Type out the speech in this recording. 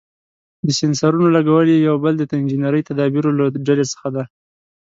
د سېنسرونو لګول یې یو بل د انجنیري تدابیرو له ډلې څخه دی.